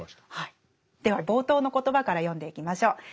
では冒頭の言葉から読んでいきましょう。